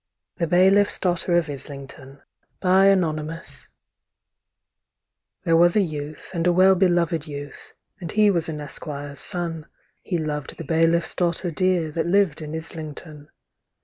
The Bailiff's Daughter of Islington ITHERE was a youth, and a well belovèd youth, And he was an esquire's son, He loved the bailiff's daughter dear, That lived in Islington.